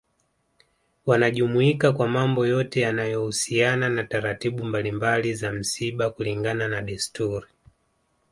Wanajumuika kwa mambo yote yanayo husiana na taratibu mbalimbali za msiba kulingana na desturi